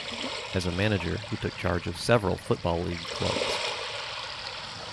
As a manager, he took charge of several Football League clubs.